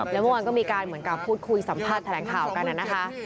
แล้วเมื่อวานก็มีการเหมือนกับพูดคุยสัมภาษณ์แถลงข่าวกันนะคะ